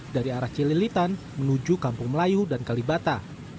dari arah cililitan menuju kampung melayu dan kalibata